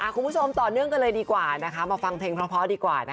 คุณผู้ชมต่อเรื่องกันดีกว่ามาฟังเพลงพระเพราดีกว่า